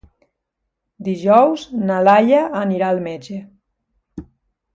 Dijous na Laia anirà al metge.